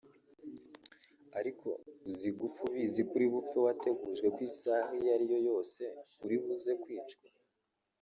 Ariko uzi gupfa ubizi ko uri bupfe wategujwe ko isaha iyo ari yose uri buze kwicwa